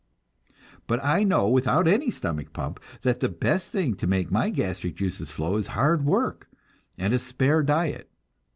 But I know without any stomach pump that the best thing to make my gastric juices flow is hard work and a spare diet.